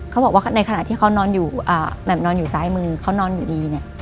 เขาบอกว่าในขณะที่เขานอนอยู่ซ้ายมือเขานอนอยู่ดี